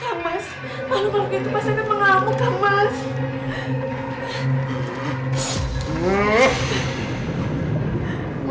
kamas makhluk makhluk itu pasangnya mengamuk kamas